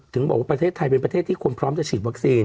ถึงบอกว่าประเทศไทยเป็นประเทศที่คนพร้อมจะฉีดวัคซีน